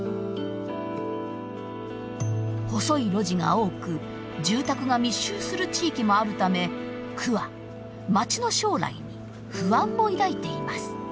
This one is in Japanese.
細い路地が多く住宅が密集する地域もあるため区は町の将来に不安を抱いています。